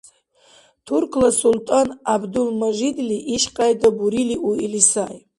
Туркла СултӀан ГӀябдул-Мажидли ишкьяйда бурили уили сай